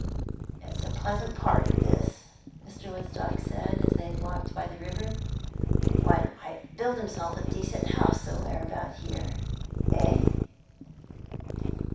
"It's a pleasant part this," Mr. Woodstock said, as they walked by the river. "One might build himself a decent house somewhere about here, eh?"